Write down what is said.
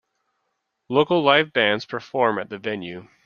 Local live bands perform at the venue.